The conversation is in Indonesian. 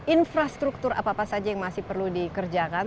infrastruktur apa apa saja yang masih perlu dikerjakan